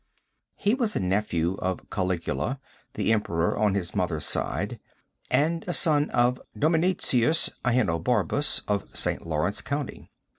He was a nephew of Culigula, the Emperor, on his mother's side, and a son of Dominitius Ahenobarbust, of St. Lawrence county.